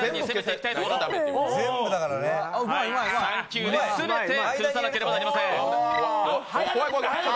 ３球で全て崩さなければいけません